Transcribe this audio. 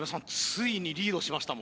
ついにリードしました